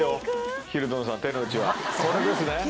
これですね。